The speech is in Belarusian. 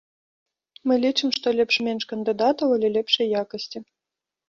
Мы лічым, што лепш менш кандыдатаў, але лепшай якасці.